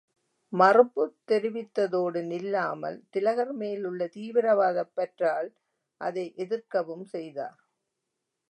மறுப்புத் தெரிவித்ததோடு நில்லாமல், திலகர் மேலுள்ள தீவிரவாதப் பற்றால் அதை எதிர்க்கவும் செய்தார்.